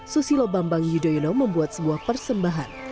susilo bambang yudhoyono membuat sebuah persembahan